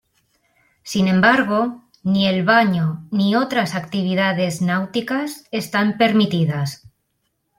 Sin embargo, ni el baño ni otras actividades náuticas están permitidas.